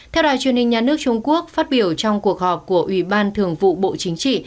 theo đài truyền hình nhà nước trung quốc phát biểu trong cuộc họp của ủy ban thường vụ bộ chính trị